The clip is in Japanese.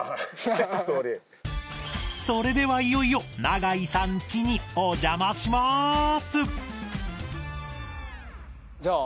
それではいよいよ永井さんちにお邪魔しますじゃあ。